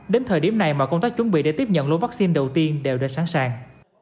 đến thời điểm này mọi công tác chuẩn bị để tiếp nhận lô vaccine đầu tiên đều đã sẵn sàng